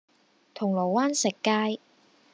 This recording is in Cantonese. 銅鑼灣食街